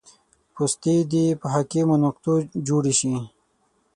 پوستې دې په حاکمو نقطو جوړې شي